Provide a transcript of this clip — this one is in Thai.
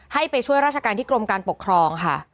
ให้ไปช่วยราชการที่กรมการปกครองค่ะ